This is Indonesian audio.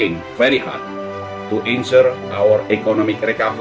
untuk menjaga penyelamat ekonomi kami